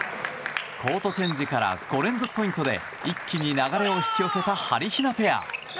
コートチェンジから５連続ポイントで一気に流れを引き寄せたハリヒナペア。